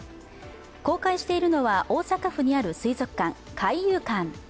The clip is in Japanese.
公開しているのは大阪府にある水族館、海遊館。